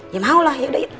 ya mau lah yaudah yuk